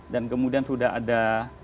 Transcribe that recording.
dan kemudian sudah ada